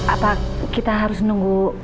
apakah kita harus nunggu